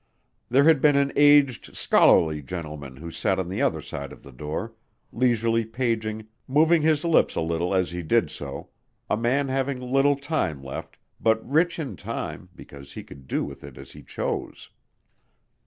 There had been an aged, scholarly gentleman who sat on the other side of the door, leisurely paging, moving his lips a little as he did so, a man having little time left, but rich in time because he could do with it as he chose.